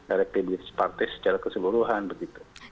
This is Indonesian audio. elektabilitas partai secara keseluruhan begitu